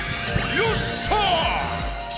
よっしゃあ！